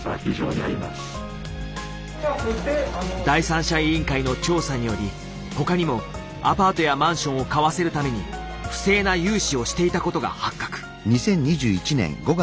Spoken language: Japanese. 第三者委員会の調査により他にもアパートやマンションを買わせるために不正な融資をしていたことが発覚。